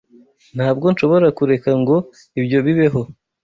Ntabwo nshobora kureka ngo ibyo bibeho.